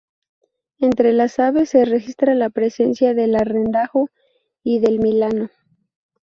Entre las aves se registra la presencia del arrendajo y del milano.